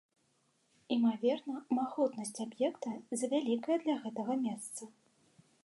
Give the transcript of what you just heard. Імаверна, магутнасць аб'екта завялікая для гэтага месца.